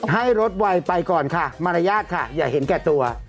ให้รถไวไปก่อนค่ะมารยาทค่ะอย่าเห็นแก่ตัว